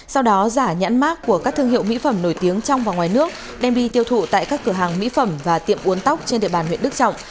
sau đó giả nhãn mát của các thương hiệu mỹ phẩm nổi tiếng trong và ngoài nước đem đi tiêu thụ tại các cửa hàng mỹ phẩm và tiệm uống tóc trên địa bàn huyện đức trọng